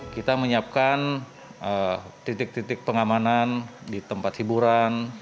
kita menyiapkan titik titik pengamanan di tempat hiburan